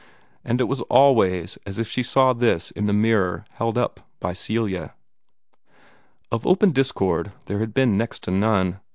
And it was always as if she saw this in a mirror held up by Celia. Of open discord there had been next to none.